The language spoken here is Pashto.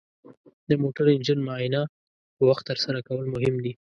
د موټر انجن معاینه په وخت ترسره کول مهم دي.